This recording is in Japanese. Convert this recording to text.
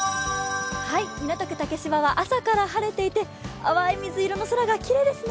港区竹芝は朝から晴れていて、淡い水色の空がきれいですね。